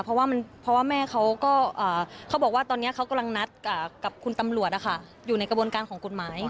เพราะว่าแม่เขาก็เขาบอกว่าตอนนี้เขากำลังนัดกับคุณตำรวจอยู่ในกระบวนการของกฎหมาย